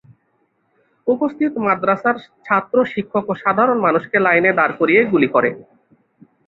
উপস্থিত মাদ্রাসার ছাত্র-শিক্ষক ও সাধারণ মানুষকে লাইনে দাঁড় করিয়ে গুলি করে।